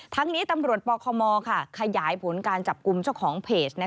ทั้งนี้ตำรวจปคมขยายผลการจับกลุ่มเจ้าของเพจ